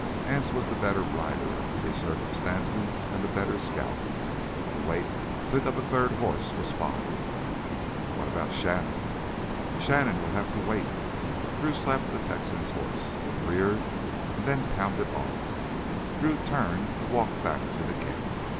Anse was the better rider under these circumstances, and the better scout. To wait to pick up a third horse was folly. "What about Shannon?" "Shannon'll have to wait!" Drew slapped the Texan's horse. It reared and then pounded off. Drew turned to walk back to the camp.